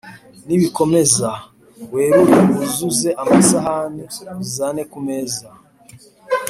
Nibikomeza, warure wuzuze amasahani, uzane ku meza.